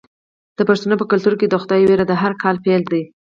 د پښتنو په کلتور کې د خدای ویره د هر کار پیل دی.